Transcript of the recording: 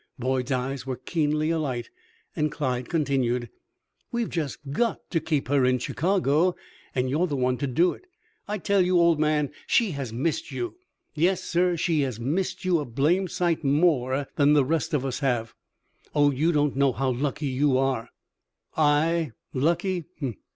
Boyd's eyes were keenly alight, and Clyde continued. "We've just got to keep her in Chicago, and you're the one to do it. I tell you, old man, she has missed you. Yes, sir, she has missed you a blamed sight more than the rest of us have. Oh, you don't know how lucky you are." "I lucky!